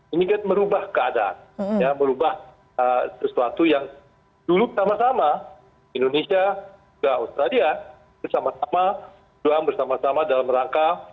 ini kan merubah keadaan merubah sesuatu yang dulu sama sama indonesia dan australia bersama sama dalam rangka